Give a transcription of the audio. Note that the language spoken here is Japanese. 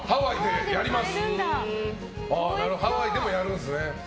ハワイでやるんですね。